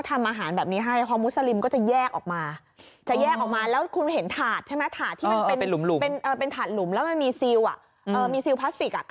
ที่จะจัดอาหารเผิมเติมใหม่ไหม